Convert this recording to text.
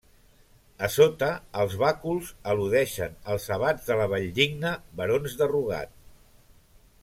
A sota, els bàculs al·ludeixen als abats de la Valldigna, barons de Rugat.